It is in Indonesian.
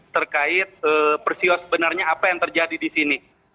terkait persiwa sebenarnya apa yang terjadi di sini